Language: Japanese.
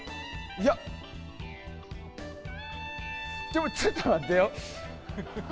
いや、ちょっと待ってよ。